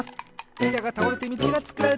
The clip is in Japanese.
いたがたおれてみちがつくられていく！